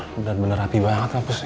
bener bener hati banget ngapus ini